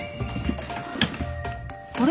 あれ？